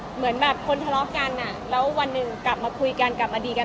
เหมือนแบบคนทะเลาะกันอ่ะแล้ววันหนึ่งกลับมาคุยกันกลับมาดีกัน